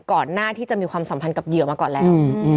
ก่อนหน้าที่จะมีความสัมพันธ์กับเหยื่อมาก่อนแล้ว